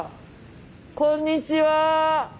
こんにちは！